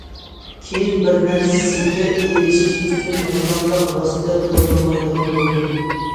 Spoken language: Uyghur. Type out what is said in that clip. كېيىن بىر نەرسىگە ئېرىشىش ئۈچۈن ھەر قانداق ۋاسىتە تاللىمايدىغان بولدۇم.